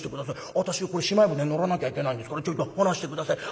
私はしまい舟に乗らなきゃいけないんですからちょいと離して下さい。